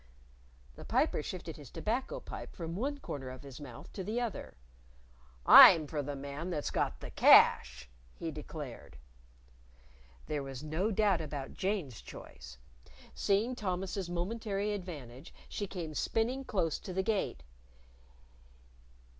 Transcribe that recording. The Piper shifted his tobacco pipe from one corner of his mouth to the other. "I'm for the man that's got the cash," he declared. There was no doubt about Jane's choice. Seeing Thomas's momentary advantage, she came spinning close to the Gate.